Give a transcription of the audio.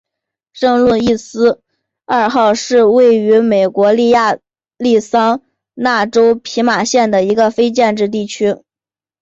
圣路易斯二号是位于美国亚利桑那州皮马县的一个非建制地区。